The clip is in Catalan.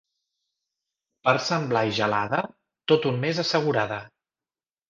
Per Sant Blai gelada, tot un mes assegurada.